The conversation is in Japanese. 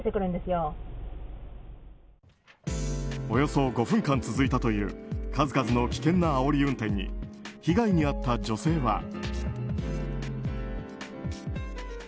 およそ５分間続いたという数々の危険なあおり運転に被害に遭った女性は。